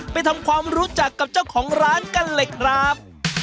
ไปทำความรู้จักกับเจ้าของร้านกันเลยครับ